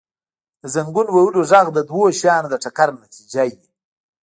• د زنګون وهلو ږغ د دوو شیانو د ټکر نتیجه وي.